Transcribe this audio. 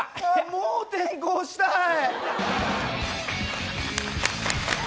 もう転校したい。